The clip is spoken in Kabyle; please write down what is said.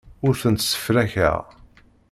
Ur tent-ssefrakeɣ.